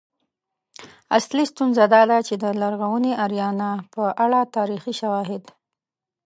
اصلی ستونزه دا ده چې د لرغونې آریانا په اړه تاریخي شواهد